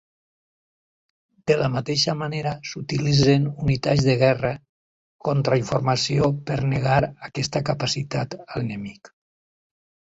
De la mateixa manera, s'utilitzen unitats de guerra contrainformació per negar aquesta capacitat a l'enemic.